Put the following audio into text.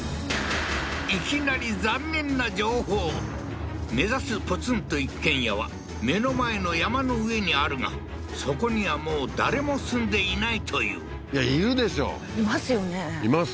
いきなり残念な情報目指すポツンと一軒家は目の前の山の上にあるがそこにはもう誰も住んでいないといういや居るでしょう居ますよね居ます